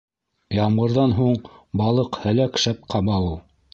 Ямғырҙан һуң балыҡ һәләк шәп ҡаба ул.